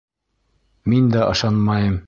Мин дә ышанмайым.